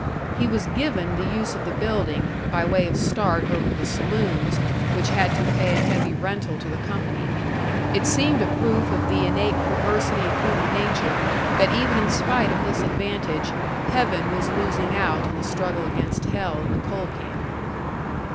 He was given the use of the building, by way of start over the saloons, which had to pay a heavy rental to the company; it seemed a proof of the innate perversity of human nature that even in spite of this advantage, heaven was losing out in the struggle against hell in the coal camp.